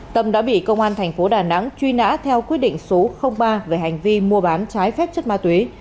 tâm đã bị công an thành phố đà nẵng truy nã theo quyết định số ba về hành vi mua bán trái phép chất ma túy